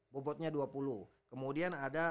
bobotnya dua puluh kemudian ada